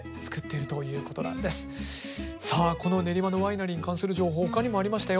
さあこの練馬のワイナリーに関する情報ほかにもありましたよ。